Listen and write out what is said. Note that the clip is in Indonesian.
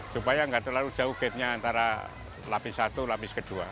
supaya nggak terlalu jauh gate nya antara lapis satu lapis kedua